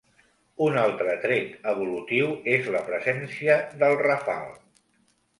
Un altre tret evolutiu és la presència del rafal.